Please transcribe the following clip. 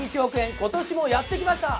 今年もやってきました。